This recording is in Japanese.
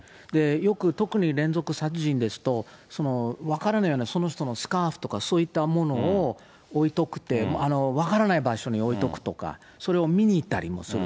よく、特に連続殺人ですと、分からないようなその人のスカーフとか、そういったものを置いとくと、分からない場所に置いとくとか、それを見に行ったりもする。